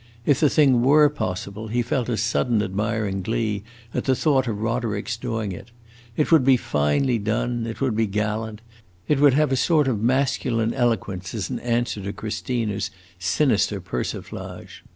If the thing were possible, he felt a sudden admiring glee at the thought of Roderick's doing it. It would be finely done, it would be gallant, it would have a sort of masculine eloquence as an answer to Christina's sinister persiflage.